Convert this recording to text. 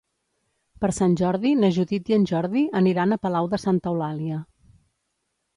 Per Sant Jordi na Judit i en Jordi aniran a Palau de Santa Eulàlia.